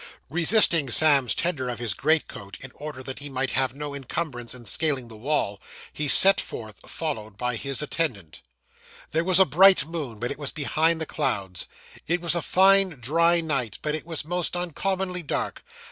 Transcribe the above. Resisting Sam's tender of his greatcoat, in order that he might have no encumbrance in scaling the wall, he set forth, followed by his attendant. There was a bright moon, but it was behind the clouds. It was a fine dry night, but it was most uncommonly dark.